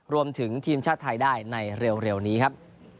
รวมถึงทีมชาติไทยได้ในเร็วนี้ครับ